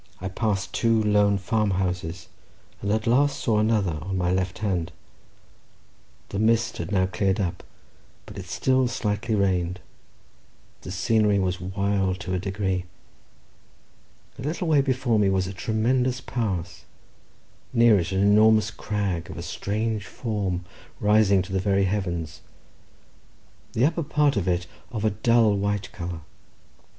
I passed two lone farm houses, and at last saw another on my left hand—the mist had now cleared up, but it still slightly rained—the scenery was wild to a degree—a little way before me was a tremendous pass, near it an enormous crag, of a strange form, rising to the very heavens, the upper part of it of a dull white colour.